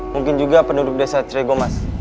mungkin juga penduduk desa tre gomas